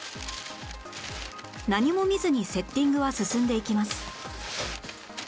何も見ずにセッティングは進んでいきます